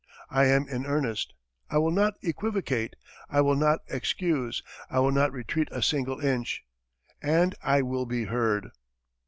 I am in earnest I will not equivocate I will not excuse I will not retreat a single inch and I will be heard."